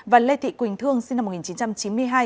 và lê thị quỳnh thương sinh năm một nghìn chín trăm chín mươi hai